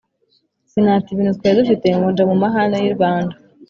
«sinata ibintu twari dufite, ngo nje mu mahane y'i rwanda! »